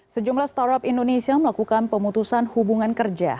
sejumlah startup indonesia melakukan pemutusan hubungan kerja